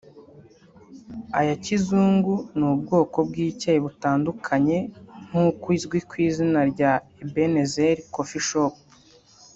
ayakizungu n’ubwoko bw’icyayi butandukanye nk’uko izwi ku izina rya Ebenezer Coffee Shop